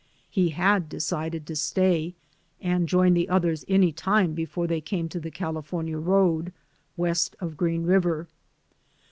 He had decided to stay, and join the others any time before they came to the California road, west of Green River.